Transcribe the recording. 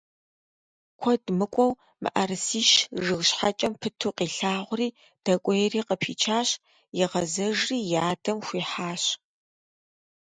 Куэд мыкӀуэу мыӀэрысищ жыг щхьэкӀэм пыту къилъагъури дэкӀуейри къыпичащ, игъэзэжри и адэм хуихьащ.